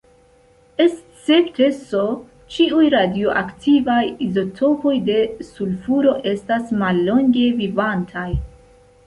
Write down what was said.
Escepte S, ĉiuj radioaktivaj izotopoj de sulfuro estas mallonge vivantaj.